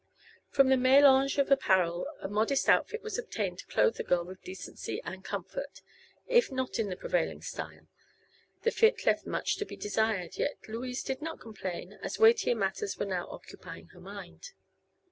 From the mélange of apparel a modest outfit was obtained to clothe the girl with decency and comfort, if not in the prevailing style. The fit left much to be desired, yet Louise did not complain, as weightier matters were now occupying her mind.